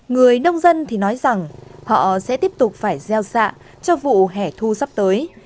người nông dân thì nói rằng họ sẽ tiếp tục phải gieo xạ cho vụ hẻ thu sắp tới